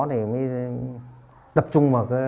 thì mới tập trung vào